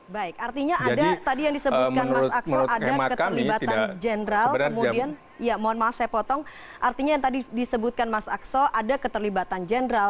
baik artinya ada tadi yang disebutkan mas aksu ada keterlibatan jenderal